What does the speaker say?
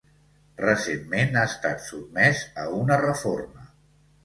Recentment ha estat sotmès a una reforma.